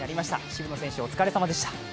渋野選手、お疲れさまでした。